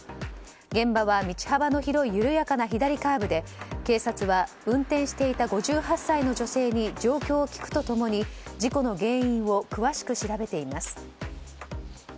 現場は道幅の広い緩やかな左カーブで警察は運転していた５８歳の女性に状況を聞くと共に事故の原因を詳しく調べています。